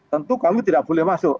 tentu kami tidak boleh masuk